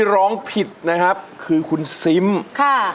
ร้องผิดนะครับคือคุณซิมค่ะ